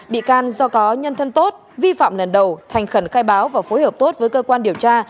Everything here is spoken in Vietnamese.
bị can do có nhân thân tốt vi phạm lần đầu thành khẩn khai báo và phối hợp tốt với cơ quan điều tra